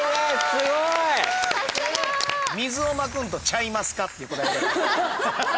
すごい！「水をまくんとちゃいますか？」って答え方。